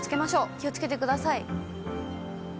気をつけてください。